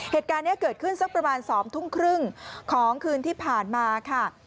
เหตุการณ์นี้เกิดขึ้นสักประมาณ๒ทุ่มครึ่งของคืนที่ผ่านมาค่ะ